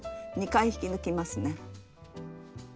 ２回引き抜きますね。